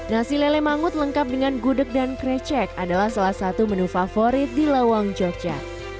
nasi lele mangut lengkap dengan gudeg dan krecek adalah salah satu menu favorit di lawang jogja